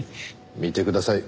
見てください